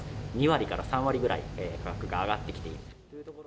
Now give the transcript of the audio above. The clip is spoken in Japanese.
２割から３割ぐらい価格が上がってきている。